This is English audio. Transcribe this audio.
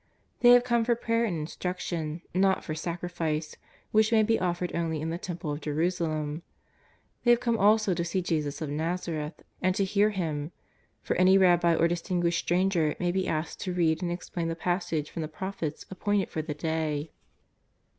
They have come for prayer and instruction, not for sacrifice, which may be offered only in the Temple of Jerusalem. They have come also to see Jesus of Naz areth and to hear Him, for any Rabbi or distinguished stranger may be asked to read and explain the passage from the Prophets appointed for the day.